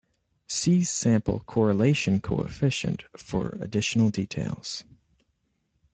See sample correlation coefficient for additional details.